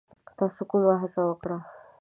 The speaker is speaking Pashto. تاسو کومه هڅه وکړه؟